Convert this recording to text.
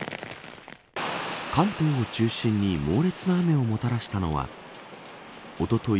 関東を中心に猛烈な雨をもたらしたのはおととい